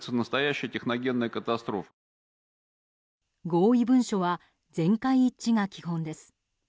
合意文書は全会一致が基本です。